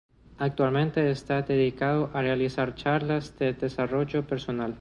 Actualmente está dedicado a realizar charlas de desarrollo personal.